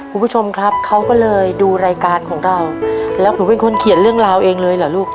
คุณผู้ชมครับเขาก็เลยดูรายการของเราแล้วหนูเป็นคนเขียนเรื่องราวเองเลยเหรอลูก